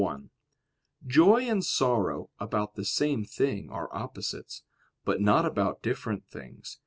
1: Joy and sorrow about the same thing are opposites, but not about different things.